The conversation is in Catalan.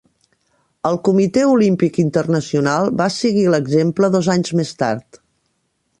El Comitè Olímpic Internacional va seguir l'exemple dos anys més tard.